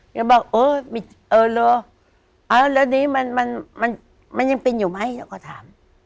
แล้วบอกเออมีเออแล้วแล้วนี้มันมันมันยังเป็นอยู่ไหมแล้วก็ถาม